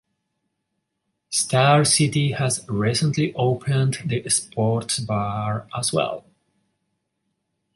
Star City has recently opened the sports bar as well.